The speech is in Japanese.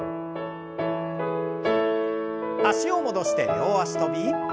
脚を戻して両脚跳び。